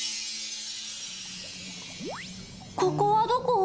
ここはどこ？